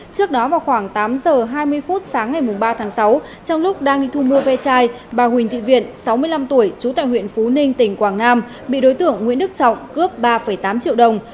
trước đó vào khoảng tám giờ hai mươi phút sáng ngày ba tháng sáu trong lúc đang đi thu mua ve chai bà huỳnh thị viện sáu mươi năm tuổi trú tại huyện phú ninh tỉnh quảng nam bị đối tượng nguyễn đức trọng cướp ba tám triệu đồng